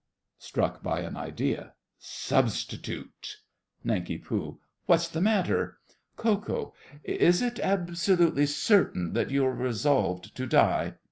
(Struck by an idea.) Substitute! NANK. What's the matter? KO. Is it absolutely certain that you are resolved to die?